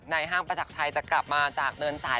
ห้างประจักรชัยจะกลับมาจากเดินสาย